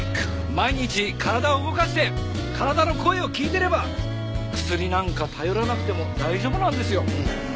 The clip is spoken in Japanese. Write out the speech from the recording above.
毎日体を動かして体の声を聞いてれば薬なんか頼らなくても大丈夫なんですよ。